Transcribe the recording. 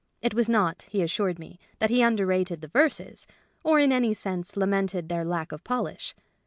It was not (he assured me) that he underrated the verses, or in any sense la mented their lack of polish.